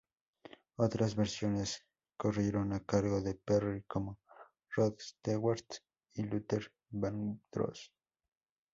Otras versiones corrieron a cargo de Perry Como, Rod Stewart y Luther Vandross